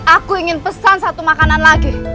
aku ingin pesan satu makanan lagi